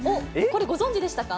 これ、ご存じでしたか？